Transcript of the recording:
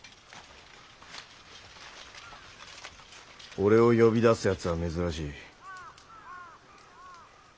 俺を呼び出すやつは珍しい。